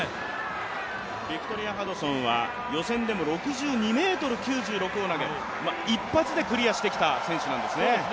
ビクトリア・ハドソンは予選でも６２ｍ９２を投げ一発でクリアしてきた選手なんですね。